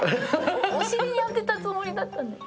お尻に当てたつもりだったんだけど。